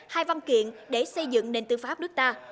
hai văn kiện để xây dựng nền tư pháp nước ta